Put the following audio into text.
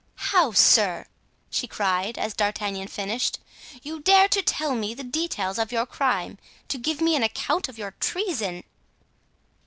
"How, sir!" she cried, as D'Artagnan finished, "you dare to tell me the details of your crime—to give me an account of your treason!"